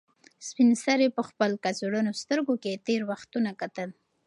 سپین سرې په خپل کڅوړنو سترګو کې تېر وختونه کتل.